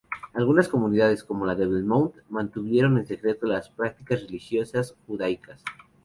Algunas comunidades, como la de Belmonte, mantuvieron en secreto las prácticas religiosas judaicas.